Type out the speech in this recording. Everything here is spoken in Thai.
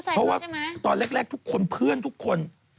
เพราะว่าตอนแรกทุกคนเพื่อนทุกคน